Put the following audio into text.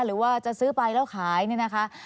หรือว่าจะซื้อไปแล้วขายเนี่ยนะคะ